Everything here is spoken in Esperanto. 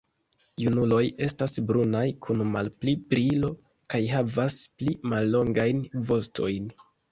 Junuloj estas brunaj kun malpli brilo kaj havas pli mallongajn vostojn.